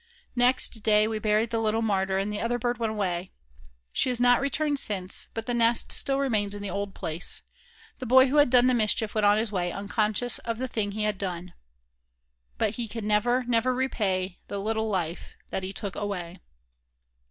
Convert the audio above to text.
Next day we buried the little martyr and the other bird went away. She has not returned since, but the nest still remains in the old place. The boy who had done the mischief went on his way unconscious of the thing he had done, but "He can never, never repay The little life that he took away."